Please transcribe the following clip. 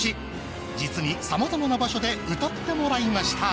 実にさまざまな場所で歌ってもらいました。